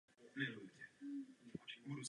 Dějiny Charlestonu začínají v osmnáctém století.